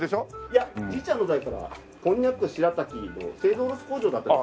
いやじいちゃんの代からこんにゃくしらたきの製造卸工場だった。